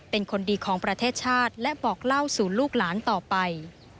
เป็นคนดีของประเทศชาติและบอกเล่าสู่ลูกหลานต่อไป